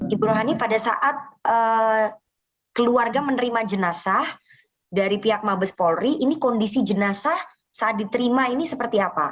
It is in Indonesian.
ibu rohani pada saat keluarga menerima jenazah dari pihak mabes polri ini kondisi jenazah saat diterima ini seperti apa